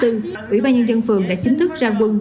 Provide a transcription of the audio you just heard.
ủy ban nhân dân phường đã chính thức ra quân